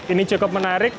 ini cukup menarik